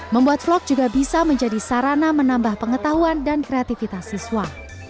membuat vlog juga bisa menjadi sarana menambah pengetahuan dan kreativitas siswa